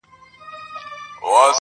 تل به تر لمني هر یوسف زلیخا نه یسي -